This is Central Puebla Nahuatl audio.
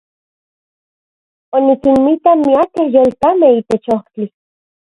Onikinmitak miakej yolkamej itech ojtli.